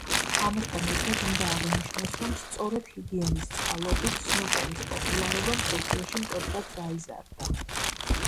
ამასთან ერთად უნდა აღინიშნოს, რომ სწორედ ჰიგინსის წყალობით სნუკერის პოპულარობა მსოფლიოში მკვეთრად გაიზარდა.